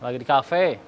lagi di kafe